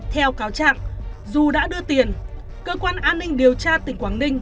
theo cáo trạng dù đã đưa tiền cơ quan an ninh điều tra tỉnh quảng ninh